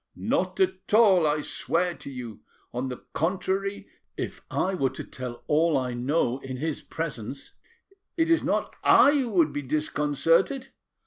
"Not at all, I swear to you. On the contrary, if I were to tell all I know in his presence, it is not I who would be disconcerted.